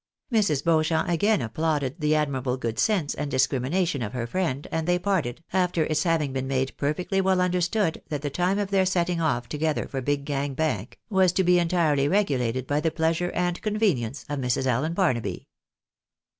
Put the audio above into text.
Mrs. Beauchamp again applauded the admirable good sense and discrimination of her friend, and they parted, after its having been made perfectly well understood that the time of their setting off together for Big Gang Bank, was to be entirely regulated by the pleasure and convenience of Mrs. Allen Barnaby.